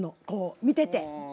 こう見てて。